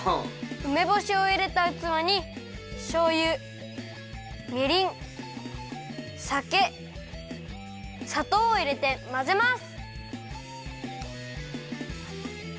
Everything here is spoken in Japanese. うめぼしをいれたうつわにしょうゆみりんさけさとうをいれてまぜます！